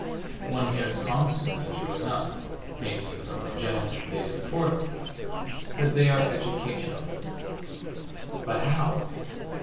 One hears constantly, true enough (mainly from the gentlemen they support) that they are educational. But how?